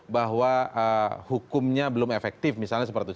bahwa hukumnya belum efektif misalnya seperti itu